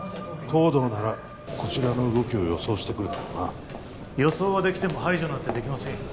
東堂ならこちらの動きを予想してくるだろうな予想はできても排除なんてできませんよ